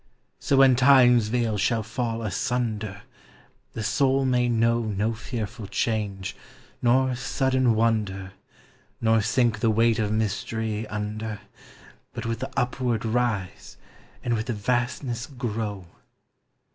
So when Time's veil shall fall asunder, The soul may know No fearful change, nor sudden wonder. Nor sink the weight of mystery under. But with the upward rise, and with the vastness grow.